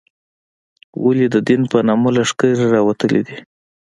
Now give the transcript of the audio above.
ولې د دین په نامه لښکرې راوتلې دي.